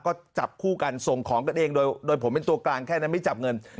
ก็จับคู่กันส่งของกันเองโดยผมเป็นตัวกลางแค่นั้นไม่จับเงิน